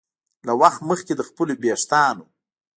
له وخت مخکې د خپلو ویښتانو